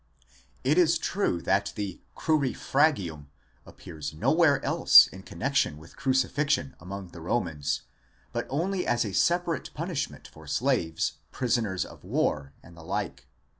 It is true that the crurifragium appears nowhere else in connexion with crucifixion among the Romans, but only as a separate punishment for slaves, prisoners of war, and the like.!